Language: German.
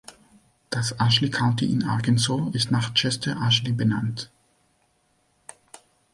Das Ashley County in Arkansas ist nach Chester Ashley benannt.